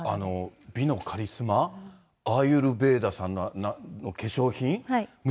美のカリスマ、アーユルベーダさんの化粧品？